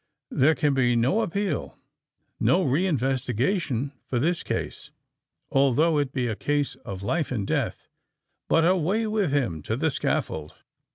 There can be no appeal—no re investigation for his case, although it be a case of life and death: but away with him to the scaffold!